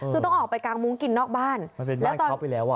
คือต้องออกไปกางมุ้งกินนอกบ้านแล้วตอนเข้าไปแล้วอ่ะ